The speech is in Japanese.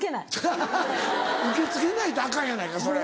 アハハ受け付けないってアカンやないかそれ。